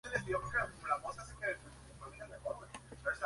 En total, más de doscientas personas desaparecidas fueron descartadas del caso.